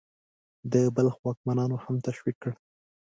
د بلخ واکمنانو هم تشویق کړ.